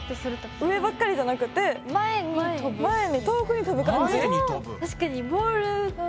上ばっかりじゃなくて前に遠くにとぶ感じ。